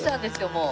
もう。